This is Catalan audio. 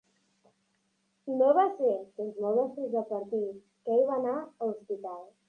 No va ser fins molt després del partit que ell va anar a l'hospital.